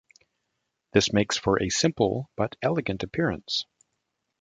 This makes for a simple but elegant appearance.